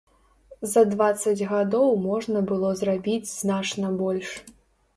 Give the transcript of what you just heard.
За дваццаць гадоў можна было зрабіць значна больш.